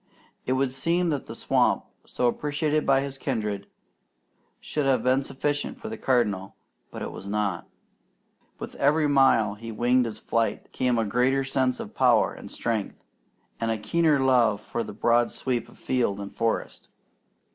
It would seem that the swamp, so appreciated by his kindred, should have been sufficient for the Cardinal, but it was not. With every mile he winged his flight, came a greater sense of power and strength, and a keener love for the broad sweep of field and forest.